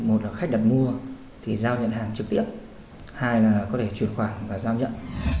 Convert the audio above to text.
một là khách đặt mua thì giao nhận hàng trực tiếp hai là có thể chuyển khoản và giao nhận